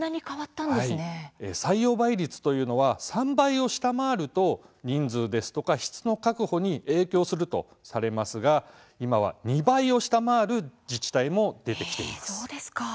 採用倍率は３倍を下回ると人数や質の確保に影響するとされますが２倍を下回る自治体も出てきています。